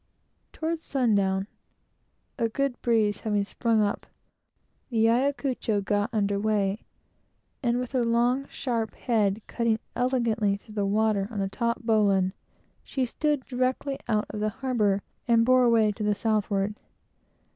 Toward sundown, a good breeze having sprung up, she got under weigh, and with her long, sharp head cutting elegantly through the water, on a taut bowline, she stood directly out of the harbor, and bore away to the southward.